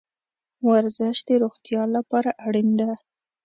ورزش د روغتیا لپاره اړین ده